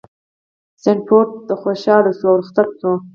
سنډفورډ خوشحاله شو او رخصت شو.